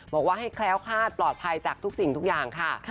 บอกว่าให้แคล้วคาดปลอดภัยจากทุกสิ่งทุกอย่างค่ะ